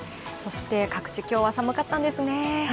各地、今日は寒かったんですね。